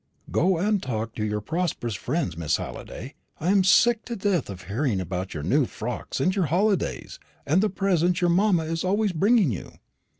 Go and talk to your prosperous friends, Miss Halliday; I am sick to death of hearing about your new frocks, and your holidays, and the presents your mamma is always bringing you."